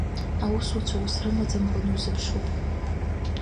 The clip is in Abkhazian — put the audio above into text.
Аусуцәа ус рымаӡамкәан иузԥшуп.